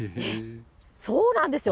そうなんです。